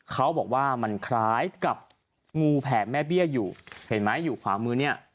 เขาบอกว่ามันคล้ายกับงูแผ่แม่เบี้ยอยู่เห็นไหมอยู่ขวามือเนี่ย